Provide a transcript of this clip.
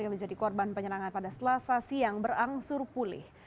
yang menjadi korban penyerangan pada setelah sasi yang berangsur pulih